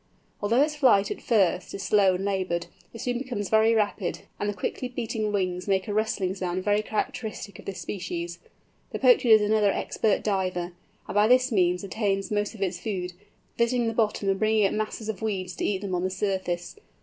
Although its flight, at first, is slow and laboured, it soon becomes very rapid, and the quickly beating wings make a rustling sound very characteristic of this species. The Pochard is another expert diver, and by this means obtains most of its food, visiting the bottom and bringing up masses of weeds to eat them on the surface.